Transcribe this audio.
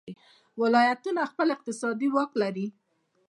ولایتونه خپل اقتصادي واک لري.